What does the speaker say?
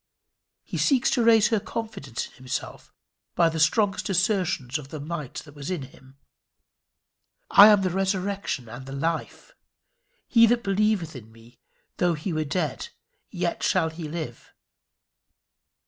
He seeks to raise her confidence in himself by the strongest assertions of the might that was in him. "I am the resurrection and the life: he that believeth in me, though he were dead, yet shall he live!"